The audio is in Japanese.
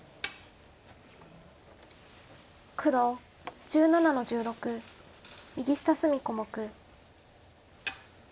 黒１７の十六右下隅小目。